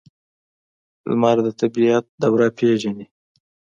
لمر د طبیعت دوره پیژني.